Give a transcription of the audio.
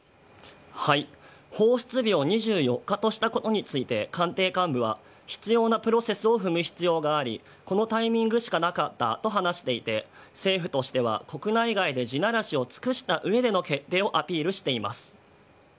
放出日を２４日としたことについて、官邸幹部は、必要なプロセスを踏む必要があり、このタイミングしかなかったと話していて、政府としては、国内外で地ならしを尽くしたうえでの決定をアピールしています。